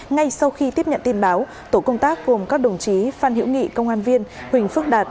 ngay sau khi tiếp nhận tin báo tổ công tác gồm các đồng chí phan hiễu nghị công an viên huỳnh phước đạt